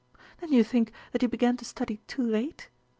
"Then you think that he began to study too late?"